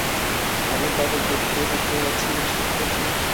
আমি তাদের দুঃখে দুঃখ পাচ্ছি, ঠিক করছি না?